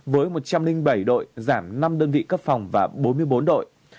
với một trăm linh bảy đội giảm năm đơn vị cấp phòng và bốn mươi bốn đội